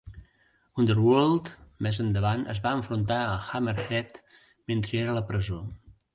Underworld més endavant es va enfrontar a Hammerhead mentre era a la presó.